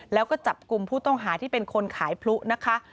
แล้วก็จับกลุ่มผู้ต้องหาที่เป็นคนขายพลุนะคะ